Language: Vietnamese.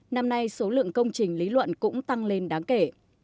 năm nay số lượng công trình lý luận cũng tăng lên đáng kể